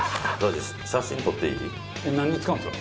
何に使うんですか？